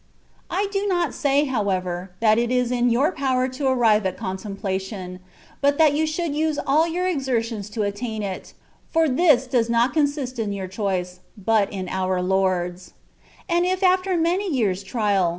I do not say, however, that it is in your power to arrive at contemplation, but that you should use all your exertions to attain it ; for this does not consist in your choice, but in our Lord^s : and if after many years^ trial.